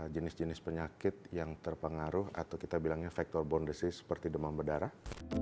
jenis jenis penyakit yang terpengaruh atau kita bilangnya faktor bondesis seperti demam berdarah